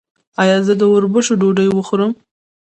ایا زه د وربشو ډوډۍ وخورم؟